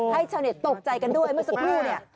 ชาวเน็ตตกใจกันด้วยเมื่อสักครู่เนี่ย